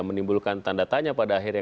menimbulkan tanda tanya pada akhirnya